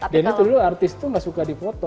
jadi dulu artis tuh gak suka dipoto